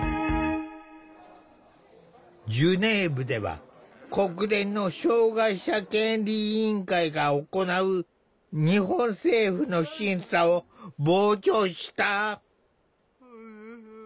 ジュネーブでは国連の障害者権利委員会が行う日本政府の審査を傍聴した。